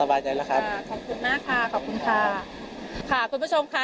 บายใจแล้วครับค่ะขอบคุณมากค่ะขอบคุณค่ะค่ะคุณผู้ชมค่ะ